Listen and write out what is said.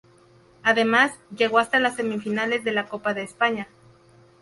Además, llegó hasta las semifinales de la Copa de España.